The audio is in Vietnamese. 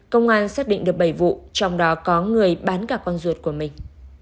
công an xác định được bảy vụ trong đó có người bán cả con ruột của mình